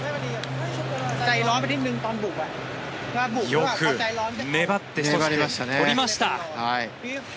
よく粘って取りました。